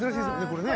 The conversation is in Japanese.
これね。